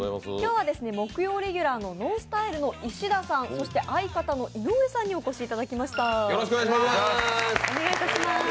今日は木曜レギュラーのＮＯＮＳＴＹＬＥの石田さんそして相方の井上さんにお越しいただきました。